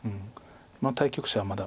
対局者はまだ。